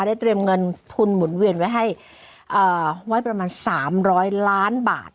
ได้เตรียมเงินทุนหมุนเวียนไว้ให้อ่าไว้ประมาณสามร้อยล้านบาท